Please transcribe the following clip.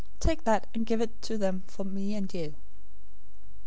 } Take that, and give it to them for me and you."